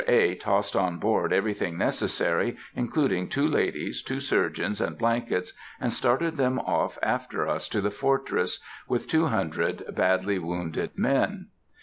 A. tossed on board everything necessary, including two ladies, two surgeons, and blankets, and started them off after us to the Fortress, with two hundred badly wounded men.